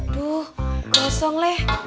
aduh gosong leh